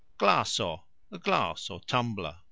glaso : a glass (tumbler).